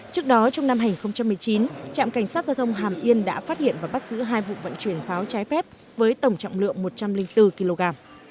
trước đó trong năm hai nghìn một mươi chín trạm cảnh sát giao thông hàm yên đã phát hiện và bắt giữ hai vụ vận chuyển pháo trái phép với tổng trọng lượng một trăm linh bốn kg